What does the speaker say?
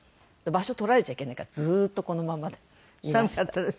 場所取られちゃいけないからずっとこのまんまでいました。